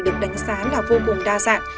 được đánh sáng là vô cùng đa dạng